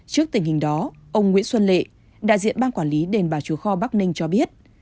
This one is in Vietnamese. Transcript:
trước tình hình đó ông nguyễn xuân lệ đại diện ban quản lý đền bà chúa kho bắc ninh cho biết